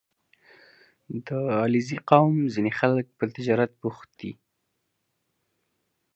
• د علیزي قوم ځینې خلک په تجارت بوخت دي.